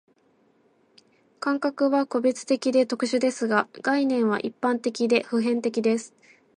感覚は個別的で特殊ですが、概念は一般的で普遍的です。